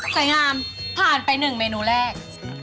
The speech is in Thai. งามผ่านไป๑เมนูแรก